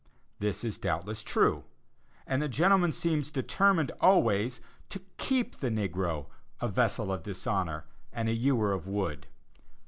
This is doubtless true, and the gentleman seems determined always to keep the negro a "vessel of dishonor," and a "hewer of wood."